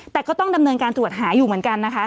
แต่ก็ต้องดำเนินการตรวจหาอยู่เหมือนกันนะคะ